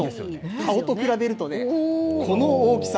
顔と比べると、この大きさ。